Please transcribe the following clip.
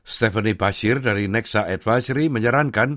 stephanie pasir dari nexa advisory menyerankan